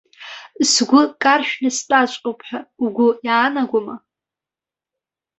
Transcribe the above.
Сгәы каршәны стәаҵәҟьоуп ҳәа угәы иаанагома?